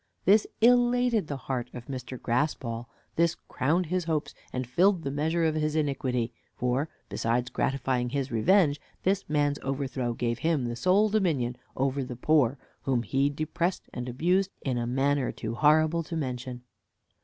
This elated the heart of Mr. Graspall, this crowned his hopes, and filled the measure of his iniquity; for, besides gratifying his revenge, this man's overthrow gave him the sole dominion over the poor, whom he depressed and abused in a manner too horrible to mention.